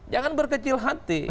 jangan berkecil hati